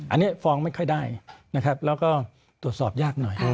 อันนี้ฟ้องไม่ค่อยได้นะครับแล้วก็ตรวจสอบยากหน่อย